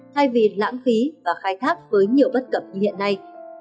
thay vì lãng phí và khai thác với nhiều bất cập như hiện nay